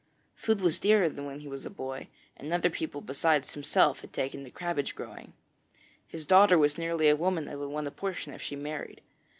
Food was dearer than when he was a boy, and other people besides himself had taken to cabbage growing. His daughter was nearly a woman, and would want a portion if she married.